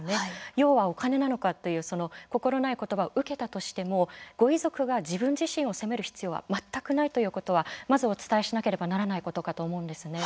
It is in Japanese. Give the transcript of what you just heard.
要は、お金なのかという心ないことばを受けたとしてもご遺族が自分自身を責める必要は全くないということはまずお伝えしなければならないことかと思うんですね。